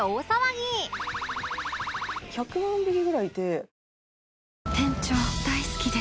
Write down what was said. １００万匹ぐらいいて。